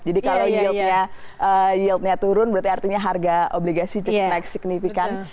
jadi kalau yieldnya turun berarti artinya harga obligasi naik signifikan